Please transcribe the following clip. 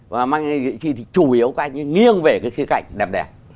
và mang danh nghệ sĩ thì chủ yếu các anh ấy nghiêng về cái khía cạnh đẹp đẹp